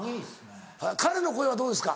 彼の声はどうですか？